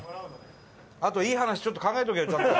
あと、いい話ちょっと考えとけよ、ちゃんと。